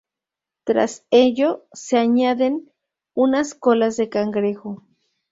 Tras ello se añaden unas colas de cangrejo.